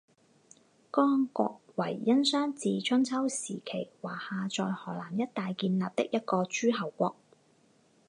江国为殷商至春秋时期华夏在河南一带建立的一个诸侯国。